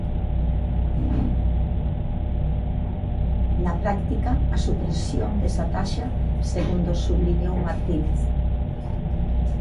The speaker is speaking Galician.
Na práctica, a supresión desa taxa, segundo subliñou Martínez.